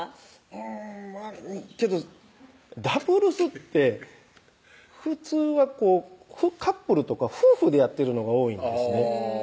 うんまぁけどダブルスって普通はこうカップルとか夫婦でやってるのが多いんですね